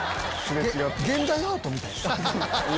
現代アートみたい。